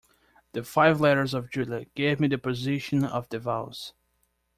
The five letters of “Julia” gave me the position of the vowels.